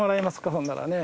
ほんならね。